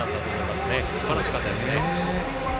すばらしかったです。